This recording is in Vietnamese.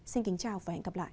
xin kính chào và hẹn gặp lại